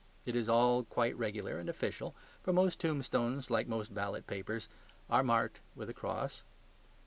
It is all quite regular and official, for most tombstones, like most ballot papers, are marked with a cross.